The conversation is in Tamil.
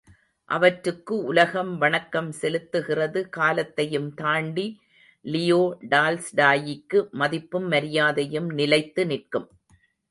அவற்றுக்கு உலகம் வணக்கம் செலுத்துகிறது காலத்தையும் தாண்டி லியோ டால்ஸ்டாயிக்கு மதிப்பும் மரியாதையும் நிலைத்து நிற்கும்.